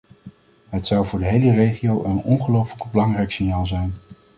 Het zou voor de hele regio een ongelofelijk belangrijk signaal zijn.